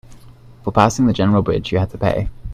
For passing the general bridge, you had to pay.